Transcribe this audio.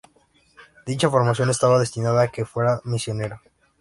Dicha formación estaba destinada a que fuera misionero.